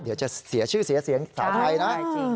เดี๋ยวจะเสียชื่อเสียเสียงสาวไทยนะ